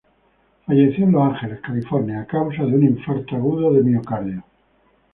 Falleció en Los Ángeles, California, a causa de un infarto agudo de miocardio.